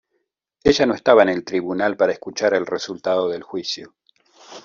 Ella no estaba en el tribunal para escuchar el resultado del juicio.